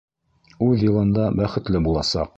Үҙ йылында бәхетле буласаҡ.